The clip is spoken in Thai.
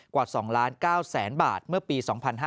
กว่า๒๙๐๐๐๐๐บาทเมื่อปี๒๕๕๔